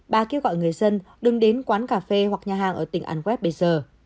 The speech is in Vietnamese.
bà kêu gọi người dân đừng đến quán cà phê hoặc nhà hàng ở tỉnh anwest bây giờ